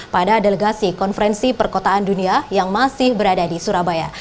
pada delegasi konferensi perkotaan dunia yang masih berada di surabaya